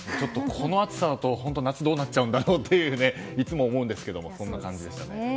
この暑さだと本当に夏はどうなっちゃうんだろうといつも思うんですがそんな感じでしたね。